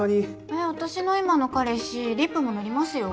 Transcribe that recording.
え私の今の彼氏リップも塗りますよ。